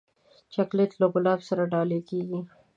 چاکلېټ له ګلاب سره ډالۍ کېږي.